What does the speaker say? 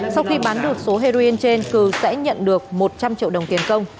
sau khi bán được số heroin trên cường sẽ nhận được một trăm linh triệu đồng tiền công